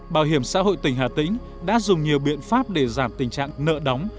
bảo hiểm xã hội tỉnh hà tĩnh đã dùng nhiều biện pháp để giảm tình trạng nợ đóng